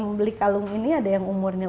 membeli kalung ini ada yang umurnya